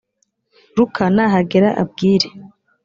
luka nahagera abwire